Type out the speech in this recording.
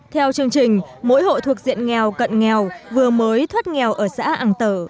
theo chương trình mỗi hộ thuộc diện nghèo cận nghèo vừa mới thoát nghèo ở xã an tở